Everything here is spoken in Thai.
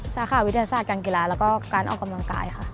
สาขาวิทยาศาสตร์การกีฬาแล้วก็การออกกำลังกายค่ะ